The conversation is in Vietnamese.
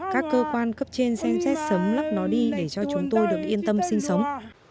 các cơ quan cấp trên xem xét sớm lấp nó đi để cho chúng tôi được yên tâm sinh sống